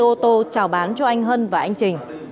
các xe ô tô chào bán cho anh hân và anh trình